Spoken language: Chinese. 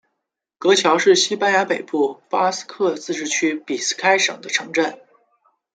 格乔是西班牙北部巴斯克自治区比斯开省的城镇。